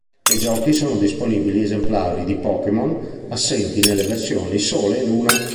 Nei giochi sono disponibili esemplari di Pokémon assenti nelle versioni "Sole" e "Luna".